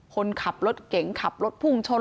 คนขับรถเก่งขับรถพุ่งชน